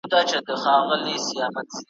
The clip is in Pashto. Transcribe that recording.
یوه ورځ یې یوه زرکه وه نیولې `